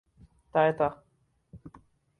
تائتا